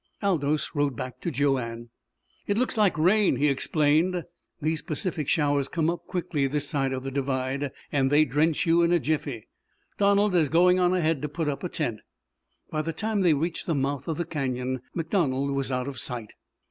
Aldous rode back to Joanne. "It looks like rain," he explained. "These Pacific showers come up quickly this side of the Divide, and they drench you in a jiffy. Donald is going on ahead to put up a tent." By the time they reached the mouth of the canyon MacDonald was out of sight.